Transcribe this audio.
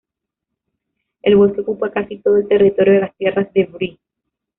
El bosque ocupa casi todo el territorio de las tierras de Bree.